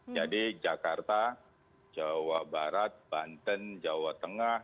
jadi jakarta jawa barat banten jawa tengah